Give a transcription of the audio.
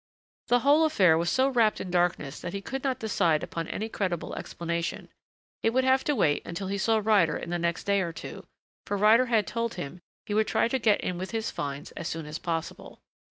The whole affair was so wrapped in darkness that he could not decide upon any creditable explanation. It would have to wait until he saw Ryder in the next day or two for Ryder had told him he would try to get in with his finds as soon as possible.